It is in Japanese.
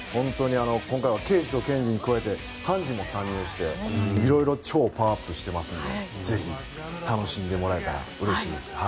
今回は刑事と検事に加えて判事も参入していろいろ超パワーアップしてますのでぜひ楽しんでもらえたらうれしいです。